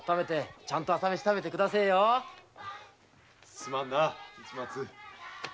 すまんな市松。